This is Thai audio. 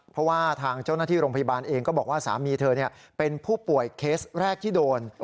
เพราะว่าทางเจ้าหน้าที่โรงพยาบาลเองก็บอกว่าสามีเธอเป็นผู้ป่วยเคสแรกที่โดน